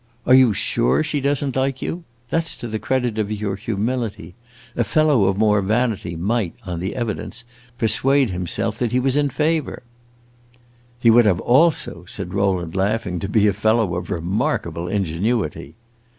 "Are you sure she does n't like you? That 's to the credit of your humility. A fellow of more vanity might, on the evidence, persuade himself that he was in favor." "He would have also," said Rowland, laughing, "to be a fellow of remarkable ingenuity!"